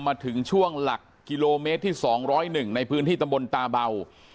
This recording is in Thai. มาถึงช่วงหลักกิโลเมตรที่สองร้อยหนึ่งในพื้นที่ตำบลตาเบา